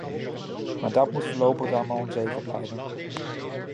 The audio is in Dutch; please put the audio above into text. Maar dat moet voorlopig dan maar onzeker blijven.